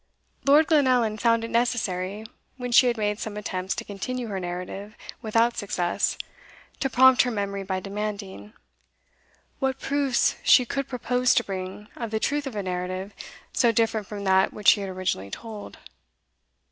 Lord Glenallan found it necessary, when she had made some attempts to continue her narrative without success, to prompt her memory by demanding "What proofs she could propose to bring of the truth of a narrative so different from that which she had originally told?"